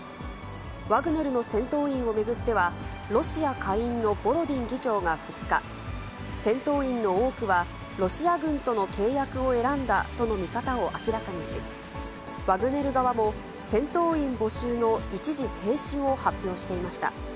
ワグネルの戦闘員を巡っては、ロシア下院のボロディン議長が２日、戦闘員の多くはロシア軍との契約を選んだとの見方を明らかにし、ワグネル側も、戦闘員募集の一時停止を発表していました。